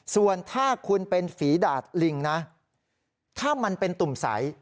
ส่วนถ้าคุณเป็นฝีดาดลิงนะถ้ามันเป็นตุ่มใส